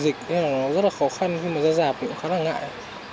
dịch rất là khó khăn khi mà ra dạp cũng khá là ngại